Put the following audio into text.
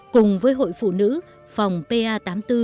cùng với hội phụ nữ phòng pa tám mươi bốn